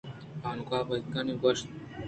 بانک ءَ ابکہائی ءَ گوٛشت